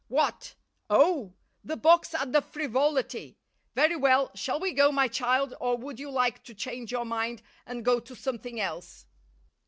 What? Oh! the box at the Frivolity. Very well, shall we go, my child, or would you like to change your mind and go to something else?"